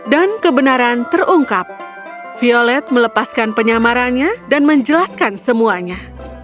dan kebenaran terungkap violet melepaskan penyamarannya dan menjelaskan semuanya